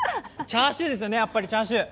チャーシューですよね、やっぱりチャーシュー。